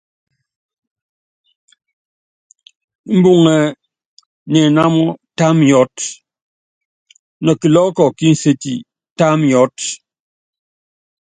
Mbuŋɛ ni inámɔ, tá miɔ́t, nɔ kilɔ́ɔ́kɔ ki nséti, tá miɔ́t.